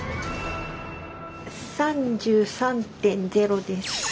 ３３．０です。